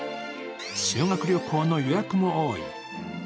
修学旅行の予約も多い。